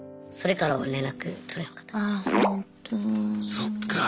そっか。